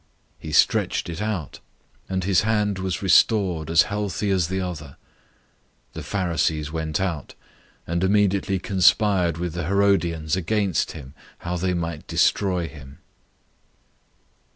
He stretched it out, and his hand was restored as healthy as the other. 003:006 The Pharisees went out, and immediately conspired with the Herodians against him, how they might destroy him.